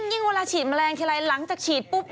ยิ่งเวลาฉีดแมลงทีไรหลังจากฉีดปุ๊บ